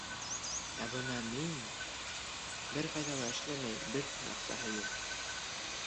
Ә бына мин... бер ҡайҙа ла эшләмәй, бер тин аҡсаһы юҡ.